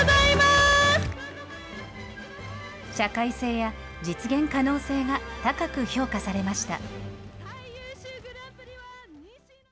社会性や実現可能性が高く評価されました。